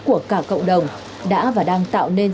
của cả cộng đồng đã và đang tạo nên